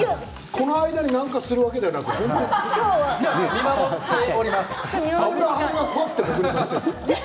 この間に何かをするわけではないんですか？